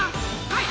はい！